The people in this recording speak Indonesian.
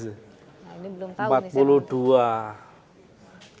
nah ini belum tau nih